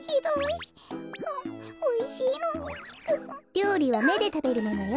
りょうりはめでたべるものよ。